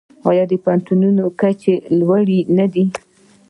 آیا د پوهنتونونو کچه یې لوړه نه ده؟